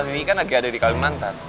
ini kan lagi ada di kalimantan